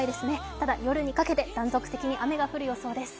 ただ、夜にかけて断続的に雨が降る予想です。